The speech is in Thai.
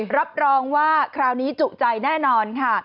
รับรองว่าคราวนี้จุใจแน่นอนค่ะ